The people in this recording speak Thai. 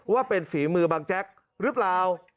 ว่าเป็นฝีมือบางแจ๊กหรือเปล่า